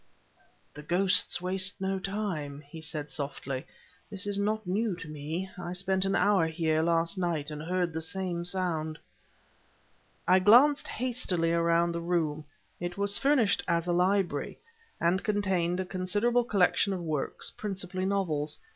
"The ghosts waste no time!" he said softly. "This is not new to me; I spent an hour here last night and heard the same sound..." I glanced hastily around the room. It was furnished as a library, and contained a considerable collection of works, principally novels.